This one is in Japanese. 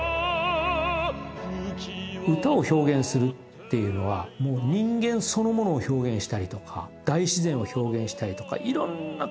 歌を表現するっていうのは人間そのものを表現したりとか大自然を表現したりとかいろんなことを表現するんです。